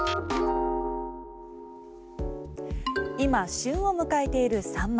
今、旬を迎えているサンマ。